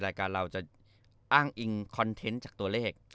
รายการเราจะอ้างอิงคอนเทนต์จากตัวเลข